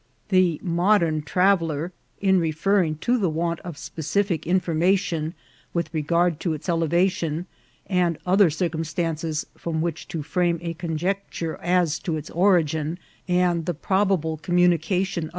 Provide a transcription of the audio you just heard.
The Modem Traveller, in referring to the want of specific information with regard to its elevation, and other circumstances from which to frame a conjecture as to its origin, and the probable communication of its VOL.